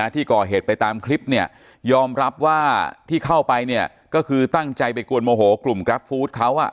ที่ก่อเหตุไปตามคลิปเนี่ยยอมรับว่าที่เข้าไปเนี่ยก็คือตั้งใจไปกวนโมโหกลุ่มกราฟฟู้ดเขา